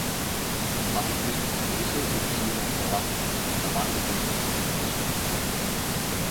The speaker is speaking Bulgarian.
Бате Христо помирисал и осъмнал в Галац, в тавана на българското училище при В.